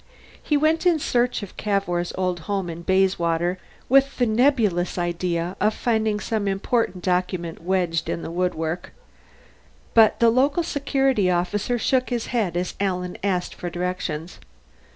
He went in search of Cavour's old home in Bayswater, with the nebulous idea of finding some important document wedged in the woodwork. But a local security officer shook his head as Alan asked for directions.